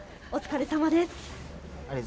お疲れさまです。